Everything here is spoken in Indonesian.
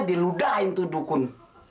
diludahkan ke dukun